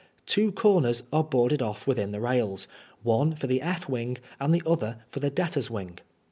Two comers are boarded off within the rails, one for the F wing and the other for the debtors* wing.